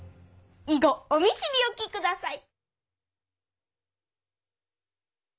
以後お見知り置きください。